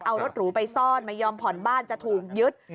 เอารถหรูไปซ่อนไม่ยอมผ่อนบ้านจะถูกยึด